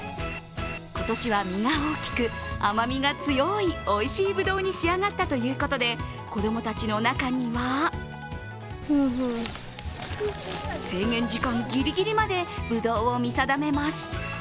今年は実が大きく甘みが強いおいしいぶどうに仕上がったということで子供たちの中には制限時間ぎりぎりまでぶどうを見定めます。